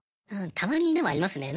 たまにでもありますね。